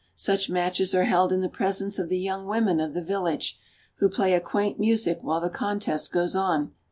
Such matches are held in the presence of the young women of the village, who play a quaint music while the contest goes on.